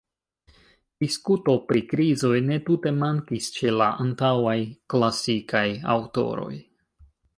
Diskuto pri krizoj ne tute mankis ĉe la antaŭaj klasikaj aŭtoroj.